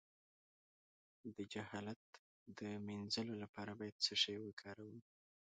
د جهالت د مینځلو لپاره باید څه شی وکاروم؟